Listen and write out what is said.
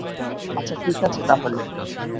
আচ্ছা, ঠিক আছে তাহলে।